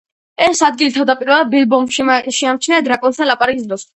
ეს ადგილი თავდაპირველად ბილბომ შეამჩნია დრაკონთან ლაპარაკის დროს.